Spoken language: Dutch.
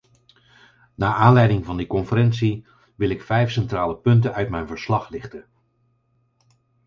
Naar aanleiding van die conferentie wil ik vijf centrale punten uit mijn verslag lichten.